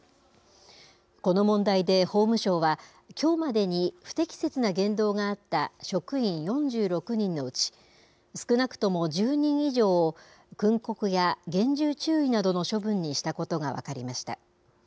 この問題で法務省は、きょうまでに不適切な言動があった職員４６人のうち、少なくとも１０人以上を訓告や厳重注意などの処分にしたことが分かりました。